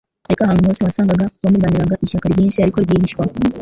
ariko ahantu hose wasangaga bamuganirana ishyaka ryinshi, ariko rwihishwa.